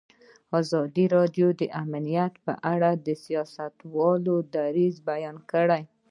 ازادي راډیو د امنیت په اړه د سیاستوالو دریځ بیان کړی.